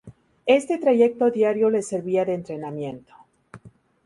Este trayecto diario le servía de entrenamiento.